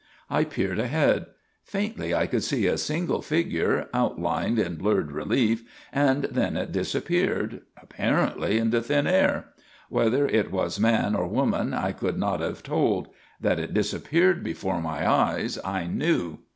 I peered ahead. Faintly I could see a single figure, outlined in blurred relief and then it disappeared, apparently into thin air. Whether it was man or woman I could not have told. That it disappeared before my eyes I knew.